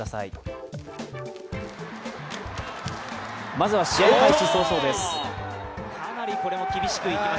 まずは試合開始早々です。